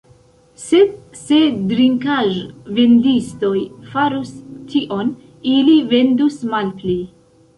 Sed se drinkaĵ-vendistoj farus tion, ili vendus malpli.